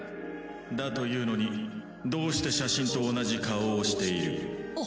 だというのにどうして写真と同じ顔をしている？